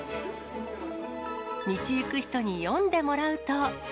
道行く人に読んでもらうと。